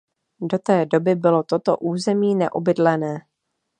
Do té doby bylo toto území neobydlené.